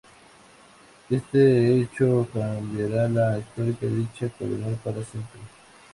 Este hecho cambiaría la historia de dicha colonia para siempre.